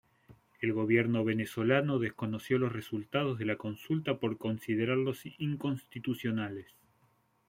El gobierno venezolano desconoció los resultados de la consulta por considerarlos inconstitucionales.